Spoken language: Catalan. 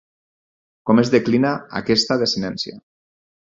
Com es declina aquesta desinència?